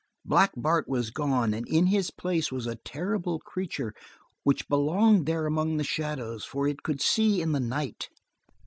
Black Bart was gone, and in his place was a terrible creature which belonged there among the shadows, for it could see in the night.